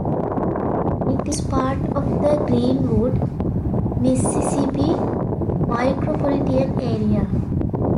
It is part of the Greenwood, Mississippi micropolitan area.